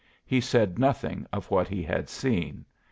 He said nothing of what he had seen.